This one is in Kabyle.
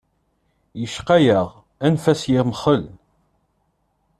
Yecqa-yaɣ anef-as yemxel.